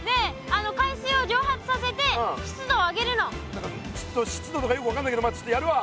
何かちょっと湿度とかよく分かんないけどちょっとやるわ。